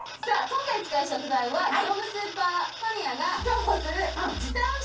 今回使う食材は業務スーパーマニアが重宝する時短食材